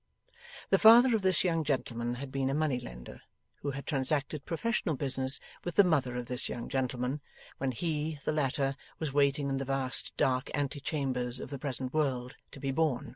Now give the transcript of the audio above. The father of this young gentleman had been a money lender, who had transacted professional business with the mother of this young gentleman, when he, the latter, was waiting in the vast dark ante chambers of the present world to be born.